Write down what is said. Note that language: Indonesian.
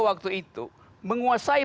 waktu itu menguasai